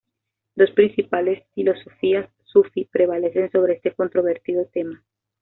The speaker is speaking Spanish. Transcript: Dos principales filosofías sufí prevalecen sobre este controvertido tema.